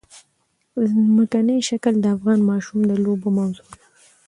ځمکنی شکل د افغان ماشومانو د لوبو موضوع ده.